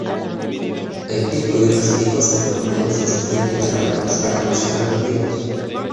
El pico y otros picos que lo rodean son suficientemente altos para conservar glaciares.